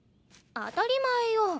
当たり前よ！